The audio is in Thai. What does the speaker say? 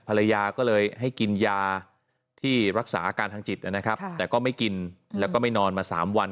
ภรรยาก็เลยให้กินยาที่รักษาอาการทางจิตนะครับแต่ก็ไม่กินแล้วก็ไม่นอนมา๓วัน